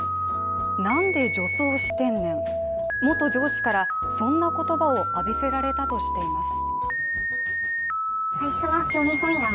なんで女装してんねん、元上司からそんな言葉を浴びせられたとしています。